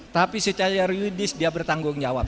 tapi secara rilis dia bertanggung jawab